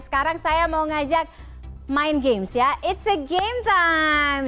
sekarang saya mau ngajak main games ya it's a game time